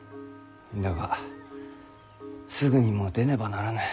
だがすぐにも出ねばならぬ。